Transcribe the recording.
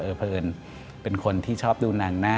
เออพระเอิญเป็นคนที่ชอบดูหนังนะ